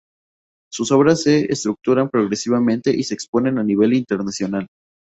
Sus obras se estructuran progresivamente y se exponen a nivel internacional.